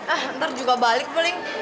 ah ntar juga balik paling